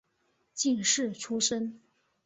进士出身。